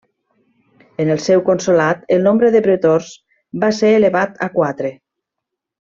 En el seu consolat el nombre de pretors va ser elevat a quatre.